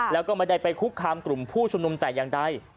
แล้วไม่ถึงคลุกค้ามกลุ่มผู้ชมนมแต่อย่างไร